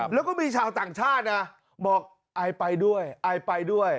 แล้วก็มีชาวต่างชาตินะบอกไอไปด้วยไอไปด้วย